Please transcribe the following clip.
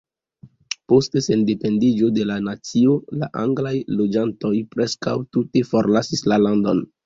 Post sendependiĝo de la nacio, la anglaj loĝantoj preskaŭ tute forlasis la landon.